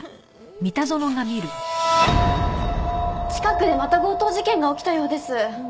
近くでまた強盗事件が起きたようです。